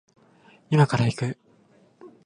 今から行く